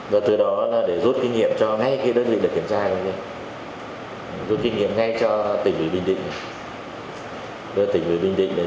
và từ đó là để giúp kinh nghiệm cho ngay cái đất định để kiểm tra giúp kinh nghiệm ngay cho tỉnh bình định